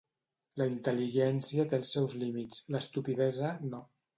La intel·ligència té els seus límits; l'estupidesa, no.